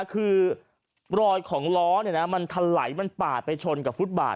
คือรอยของล้อเนี่ยนะมันถลัยมันปาดไปชนกับฟุตบาท